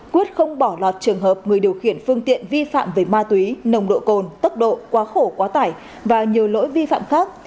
quyết không bỏ lọt trường hợp người điều khiển phương tiện vi phạm về ma túy nồng độ cồn tốc độ quá khổ quá tải và nhiều lỗi vi phạm khác